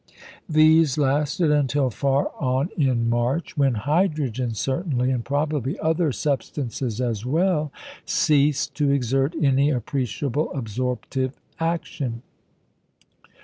These lasted until far on in March, when hydrogen certainly, and probably other substances as well, ceased to exert any appreciable absorptive action.